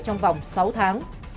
trong vòng sáu tháng